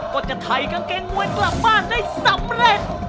ก็จะไถกางเกงมวยกลับบ้านได้สำเร็จ